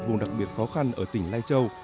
vùng đặc biệt khó khăn ở tỉnh lai châu